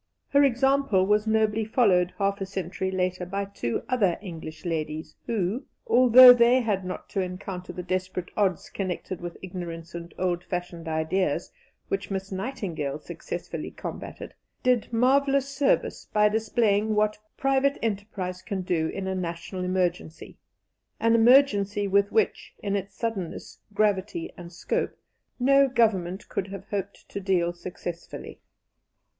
Her example was nobly followed half a century later by two other English ladies, who, although they had not to encounter the desperate odds connected with ignorance and old fashioned ideas which Miss Nightingale successfully combated, did marvellous service by displaying what private enterprise can do in a national emergency an emergency with which, in its suddenness, gravity, and scope, no Government could have hoped to deal successfully.